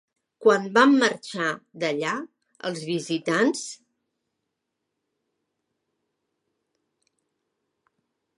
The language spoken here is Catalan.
Quan van marxar d'allà els visitants?